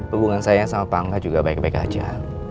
hubungan saya sama pak angga juga baik baik aja